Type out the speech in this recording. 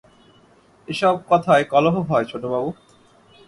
এসব কথায় কলহ হয় ছোটবাবু।